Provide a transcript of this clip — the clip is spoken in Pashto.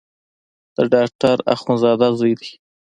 د ډاکټر اخندزاده زوی دی.